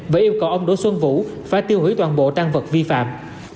và yêu cầu ông đỗ xuân vũ phải tiêu hủy toàn bộ tan vật vi phạm